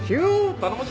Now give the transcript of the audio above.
頼もしい。